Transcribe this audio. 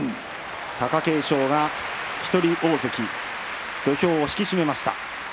貴景勝１人大関土俵を引き締めました。